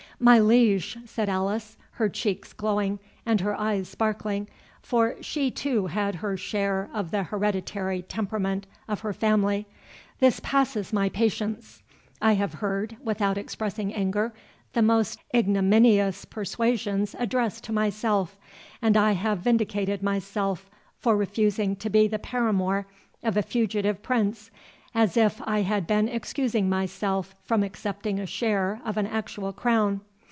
"My liege," said Alice, her cheeks glowing, and her eyes sparkling—for she too had her share of the hereditary temperament of her family,— "this passes my patience. I have heard, without expressing anger, the most ignominious persuasions addressed to myself, and I have vindicated myself for refusing to be the paramour of a fugitive Prince, as if I had been excusing myself from accepting a share of an actual crown.